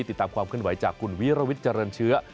ติดตามความเคลื่อนไหวจากคุณวิรวิทย์เจริญเชื้อ